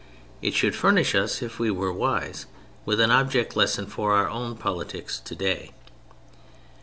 It should furnish us, if we were wise, with an object lesson for our own politics today.